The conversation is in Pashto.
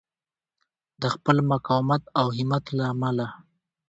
د خپل مقاومت او همت له امله.